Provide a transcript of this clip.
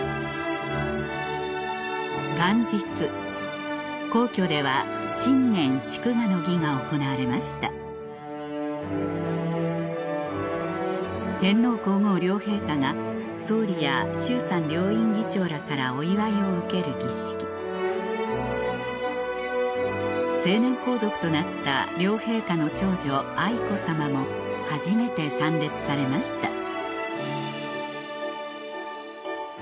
元日皇居では新年祝賀の儀が行われました天皇皇后両陛下が総理や衆参両院議長らからお祝いを受ける儀式成年皇族となった両陛下の長女愛子さまも初めて参列されました